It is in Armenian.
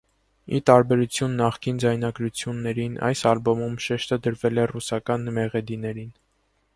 Ի տարբերություն նախկին ձայնագրություններին, այս ալբոմում շեշտը դրվել է ռուսական մեղեդիներին։